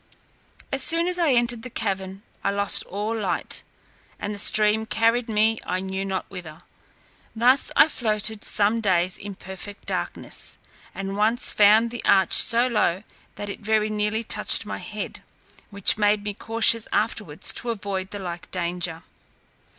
As soon as I entered the cavern, I lost all light, and the stream carried me I knew not whither. Thus I floated some days in perfect darkness, and once found the arch so low, that it very nearly touched my head, which made me cautious afterwards to avoid the like danger.